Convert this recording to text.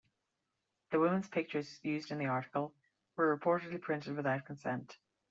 The women's pictures used in the article were reportedly printed without consent.